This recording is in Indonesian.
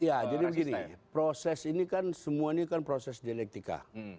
ya jadi begini proses ini kan semua ini kan proses dialektika